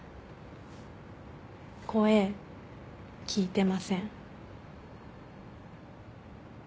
声聞いてません。